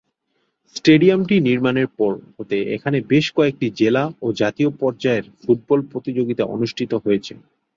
স্টেডিয়ামটি নির্মাণের পর হতে এখানে বেশ কয়েকটি জেলা ও জাতীয় পর্যায়ের ফুটবল প্রতিযোগিতা অনুষ্ঠিত হয়েছে।